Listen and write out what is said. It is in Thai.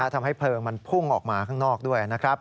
ทำให้เพลิงมันพุ่งออกมาข้างนอกด้วยนะครับ